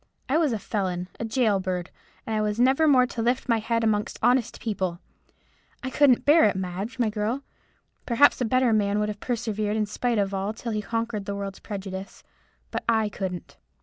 I was a felon, a gaol bird; and I was never more to lift my head amongst honest people. I couldn't bear it, Madge, my girl. Perhaps a better man might have persevered in spite of all till he conquered the world's prejudice. But I couldn't.